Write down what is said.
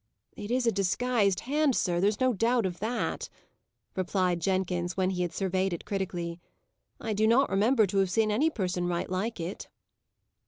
"It is a disguised hand, sir there's no doubt of that," replied Jenkins, when he had surveyed it critically. "I do not remember to have seen any person write like it."